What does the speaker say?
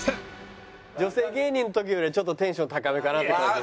女性芸人の時よりはちょっとテンション高めかなって感じが。